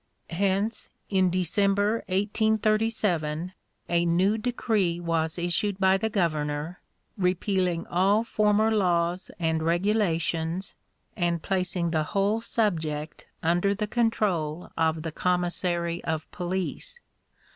Hence, in December, 1837, a new decree was issued by the governor, repealing all former laws and regulations, and placing the whole subject under the control of the Commissary of Police.